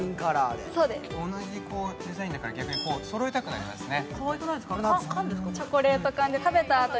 同じデザインだから、逆にそろえたくなりますね。